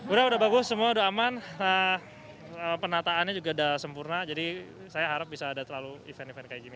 udah bagus semua udah aman penataannya juga udah sempurna jadi saya harap bisa ada terlalu event event kayak gini